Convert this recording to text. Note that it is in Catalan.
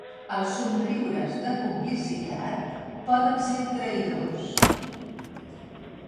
Els somriures de complicitat poden ser traïdors.